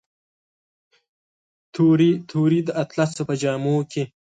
تورې، تورې د اطلسو په جامو کې